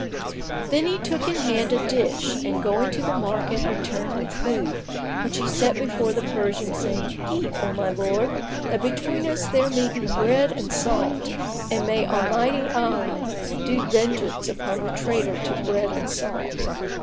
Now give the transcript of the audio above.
Then he took in hand a dish and going to the market, returned with food, which he set before the Persian, saying, "Eat, O my lord, that between us there may be bread and salt and may Almighty Allah do vengeance upon the traitor to bread and salt!"